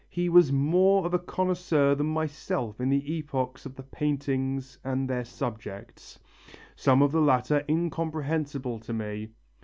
He was more of a connoisseur than myself in the epochs of the paintings and their subjects; some of the latter incomprehensible to me.